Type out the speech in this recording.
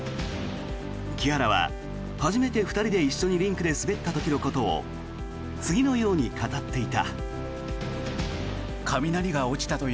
木原は初めて２人で一緒にリンクで滑った時のことを次のように語っていた。